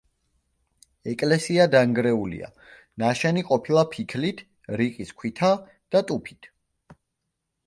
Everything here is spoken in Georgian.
ეკლესია დანგრეულია, ნაშენი ყოფილა ფიქლით, რიყის ქვითა და ტუფით.